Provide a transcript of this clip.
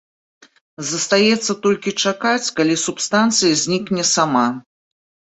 Застаецца толькі чакаць, калі субстанцыя знікне сама.